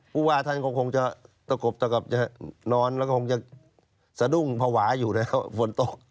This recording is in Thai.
ว่าท่านก็คงจะตะกบตะกบจะนอนแล้วก็คงจะสะดุ้งภาวะอยู่แล้วฝนตก